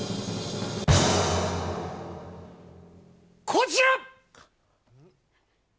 こちら！